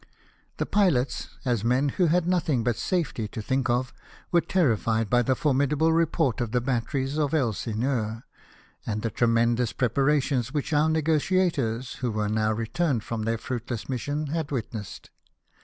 The pilots, as men who had nothing but safety to think of, were terrified by the formidable report of the batteries of Elsineur, and the tremendous pre parations which our negotiators, who were now returned from their fruitless mission, had witnessed.